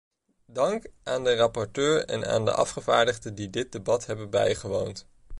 Dank aan de rapporteur en aan de afgevaardigden die dit debat hebben bijgewoond.